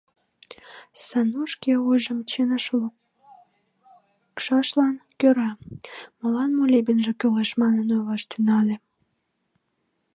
Сану шке ойжым чыныш лукшашлан кӧра, молан молебенже кӱлеш манын, ойлаш тӱҥале.